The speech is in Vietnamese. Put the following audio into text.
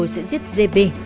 sẽ giết gb